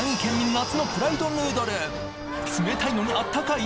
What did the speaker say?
夏のプライドヌードル冷たいのにあったかい！？